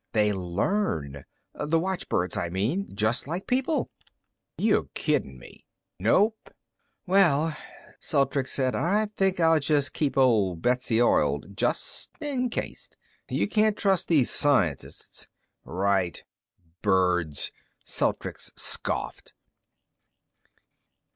"They learn. The watchbirds, I mean. Just like people." "You kidding me?" "Nope." "Well," Celtrics said, "I think I'll just keep old Betsy oiled, just in case. You can't trust these scientists." "Right." "Birds!" Celtrics scoffed.